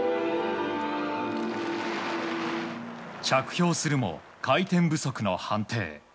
着氷するも回転不足の判定。